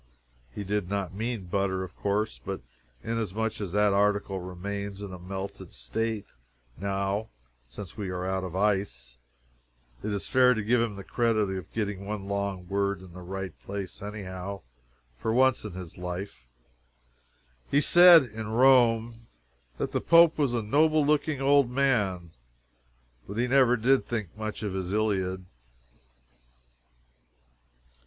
He did not mean butter, of course, but inasmuch as that article remains in a melted state now since we are out of ice, it is fair to give him the credit of getting one long word in the right place, anyhow, for once in his life. He said, in Rome, that the Pope was a noble looking old man, but he never did think much of his Iliad.